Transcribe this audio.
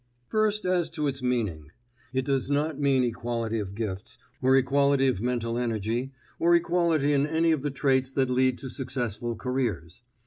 First, as to its meaning. It does not mean equality of gifts, or equality of mental energy, or equality in any of the traits that lead to successful careers.